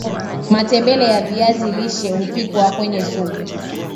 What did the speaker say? matembele ya viazi lishe hupikwa kwenye supu